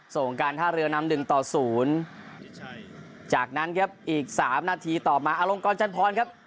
ส่งการท่าเรือนำหนึ่งต่อศูนย์จากนั้นครับอีกสามนาทีต่อมาอลงกรจันทรครับ